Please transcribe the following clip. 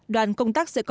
đoàn công tác sẽ có báo cáo